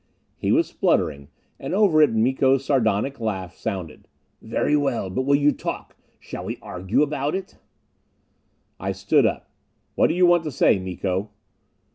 He was spluttering, and over it Miko's sardonic laugh sounded. "Very well but you will talk? Shall we argue about it?" I stood up. "What do you want to say, Miko?"